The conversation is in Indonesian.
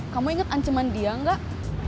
kamu inget anceman dia gak